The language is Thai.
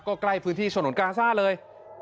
ก็ใกล้พื้นที่ฉนวนกาซ่าเลย